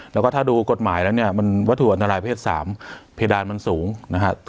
แล้วก็ถ้าดูกฎหมายแล้วเนี่ยมันวัตถุอันตรายเพศ๓เพดานมันสูงนะครับ